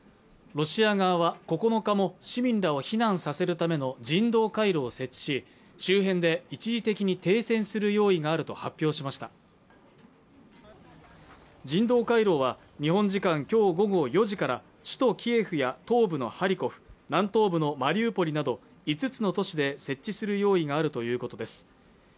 ロシア側は９日も市民らを避難させるための人道回廊を設置し周辺で一時的に停戦する用意があると発表しました人道回廊は日本時間きょう午後４時から首都キエフや東部のハリコフ南東部のマリウポリなど５つの都市で設置する用意があるということです